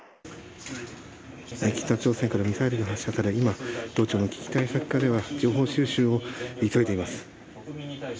北朝鮮からミサイルが発射され今、同庁の危機管理課では情報収集を急いでいます。